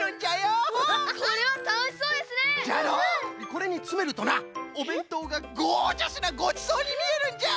これにつめるとなおべんとうがゴージャスなごちそうにみえるんじゃ。